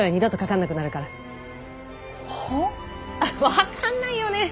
分かんないよね。